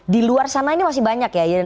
di luar sana ini masih banyak ya